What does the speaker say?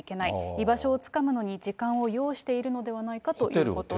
居場所をつかむのに時間を要しているのではないかということです。